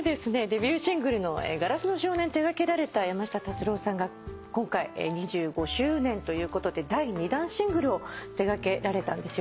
デビューシングルの『硝子の少年』を手掛けられた山下達郎さんが今回２５周年ということで第２段シングルを手掛けられたんですよね。